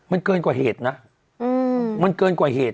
อุ้ยจังหวัด